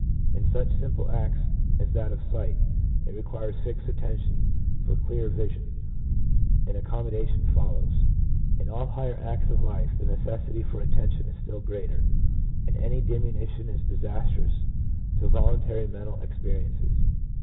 . In such simple acts as that of sight, it requires fixing attention for clearer vision, and accommoda tion follows. In all higher acts of life the necessity for attention is still greater, and any diminution is disastrous to voluntary mental experiences.